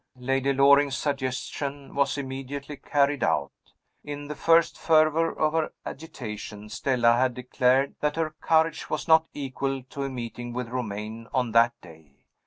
Lady Loring's suggestion was immediately carried out. In the first fervor of her agitation, Stella had declared that her courage was not equal to a meeting with Romayne on that day.